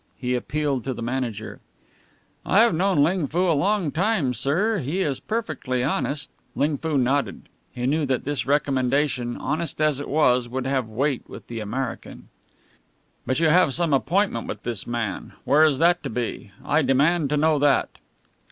He appealed to the manager. "I have known Ling Foo a long time, sir. He is perfectly honest." Ling Foo nodded. He knew that this recommendation, honest as it was, would have weight with the American. "But you have some appointment with this man. Where is that to be? I demand to know that."